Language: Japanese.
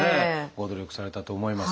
ご努力されたと思います。